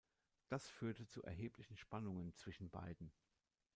Das führte zu erheblichen Spannungen zwischen beiden.